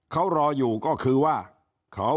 เขารออยู่ก็คือว่าเขา